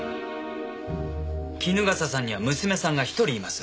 衣笠さんには娘さんが１人います。